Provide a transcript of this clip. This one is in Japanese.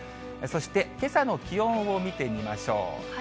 そして、けさの気温を見てみましょう。